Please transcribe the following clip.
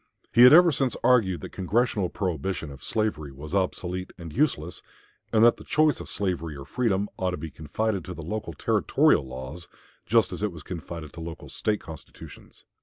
He had ever since argued that Congressional prohibition of slavery was obsolete and useless, and that the choice of slavery or freedom ought to be confided to the local Territorial laws, just as it was confided to local State constitutions.